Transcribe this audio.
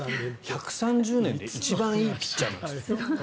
１３０年で一番いいピッチャーなんですよ。